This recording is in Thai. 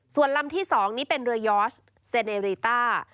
ส่วนลำที่๒นี้เป็นเรือยอร์ชเซเนริต้า